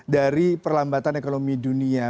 dari perlambatan ekonomi dunia